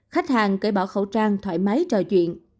không có khẩu trang thoải mái trò chuyện